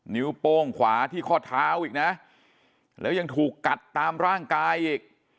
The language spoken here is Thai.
นิ้วโป้งขวาที่ข้อเท้าอีกนะแล้วยังถูกกัดตามร่างกายอีก